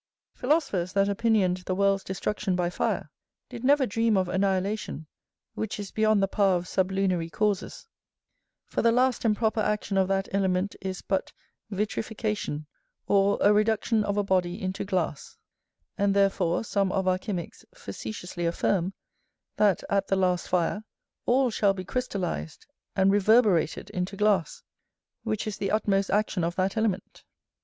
Philosophers that opinioned the world's destruction by fire, did never dream of annihilation, which is beyond the power of sublunary causes; for the last and proper action of that element is but vitrification, or a reduction of a body into glass; and therefore some of our chymicks facetiously affirm, that, at the last fire, all shall be crystalized and reverberated into glass, which is the utmost action of that element.